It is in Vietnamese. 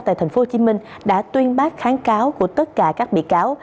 tại thành phố hồ chí minh đã tuyên bác kháng cáo của tất cả các bị cáo